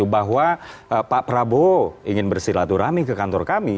bahwa pak prabowo ingin bersilaturahmi ke kantor kami